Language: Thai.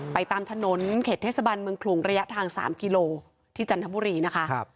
ตามถนนเขตเทศบาลเมืองขลุงระยะทาง๓กิโลที่จันทบุรีนะคะ